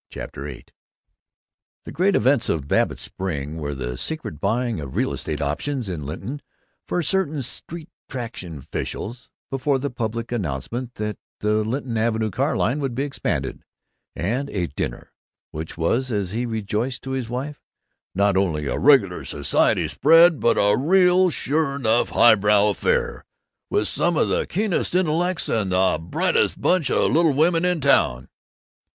CHAPTER VIII I The great events of Babbitt's spring were the secret buying of real estate options in Linton for certain street traction officials, before the public announcement that the Linton Avenue Car Line would be extended, and a dinner which was, as he rejoiced to his wife, not only "a regular society spread but a real sure enough highbrow affair, with some of the keenest intellects and the brightest bunch of little women in town."